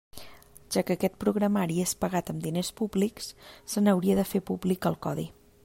Ja que aquest programari és pagat amb diners públics, se n'hauria de fer públic el codi.